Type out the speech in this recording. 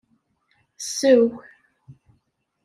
Sew!